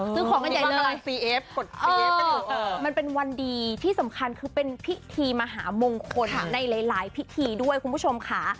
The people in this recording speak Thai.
ซื้อของกันใหญ่เลยมันเป็นวันดีที่สำคัญคือเป็นพิธีมหามงคลในหลายพิธีด้วยคุณผู้ชมค่ะ